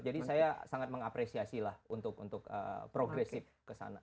jadi saya sangat mengapresiasi lah untuk progresif kesana